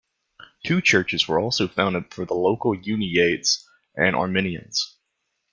Two churches were also founded for the local Uniates and Armenians.